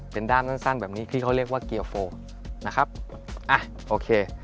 เป็นด้ามสั้นสั้นแบบนี้ที่เขาเรียกว่าเกียร์โฟมนะครับอ่ะโอเค